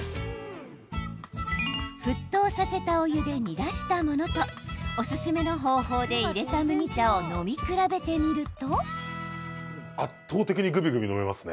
沸騰させたお湯で煮出したものとおすすめの方法でいれた麦茶を飲み比べてみると。